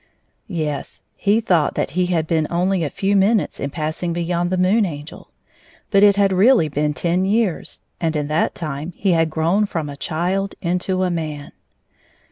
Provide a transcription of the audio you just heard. Yes ; he thought that he had been only a few minutes in passing beyond the Moon Angel ; but it had really been ten years, and in that time he had grown from a child into a man.